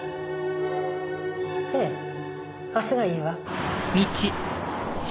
ええ明日がいいわ。